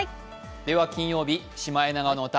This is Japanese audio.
では、金曜日、「シマエナガの歌」